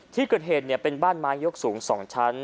ที่เกิดเหตุเป็นบ้านไม้ยกสูง๒ชั้น